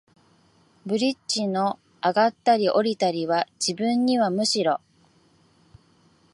ブリッジの上ったり降りたりは、自分にはむしろ、